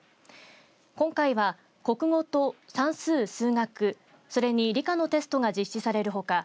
今回は、国語と算数・数学それに理科のテストが実施されるほか